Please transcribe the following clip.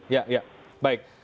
ya ya baik